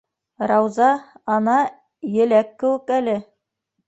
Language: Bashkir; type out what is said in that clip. Рауза, ана, еләк кеүек әле.